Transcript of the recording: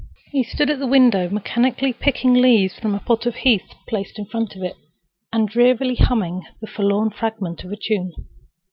He stood at the window mechanically picking leaves from a pot of heath placed in front of it, and drearily humming the forlorn fragment of a tune.